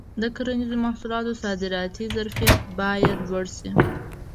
د کرنیزو محصولاتو صادراتي ظرفیت باید لوړ شي.